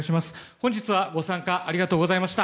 本日はご参加ありがとうございました。